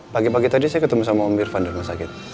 pagi pagi tadi saya ketemu sama om irvan di rumah sakit